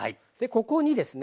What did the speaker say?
ここにですね